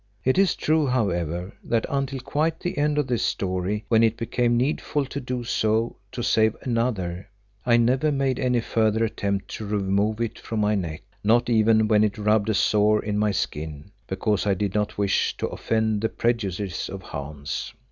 It is true, however, that until quite the end of this history when it became needful to do so to save another, I never made any further attempt to remove it from my neck, not even when it rubbed a sore in my skin, because I did not wish to offend the prejudices of Hans.